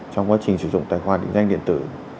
trong quá trình sử dụng tài khoản định danh điện tử